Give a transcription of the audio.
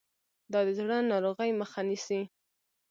دا د زړه ناروغۍ مخه نیسي.